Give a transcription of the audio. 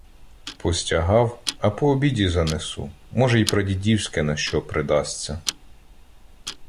Постягав, а по обіді занесу — може, й прадідівське на що придасться.